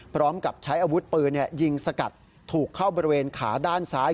พร้อมกับใช้อาวุธปืนยิงสกัดถูกเข้าบริเวณขาด้านซ้าย